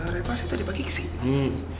reva sih tadi pagi kesini